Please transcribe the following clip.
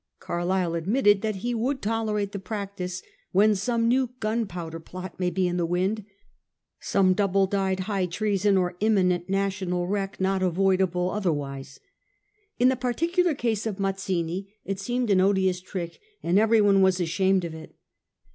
Carlyle admitted that he would tolerate the practice ' when some new Gunpowder Plot may be in the wind, some double dyed high treason or imminent nat'onal wreck not avoidable 1844. MAZZmi'S LETTERS. 315 otherwise.' In the particular case of Mazzini it seemed an odious trick, and everyone was ashamed of it.